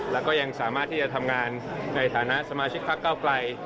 แล้วก็ยังสามารถที่จะทำงานในฐานะสมาชิกพักเก้าไกล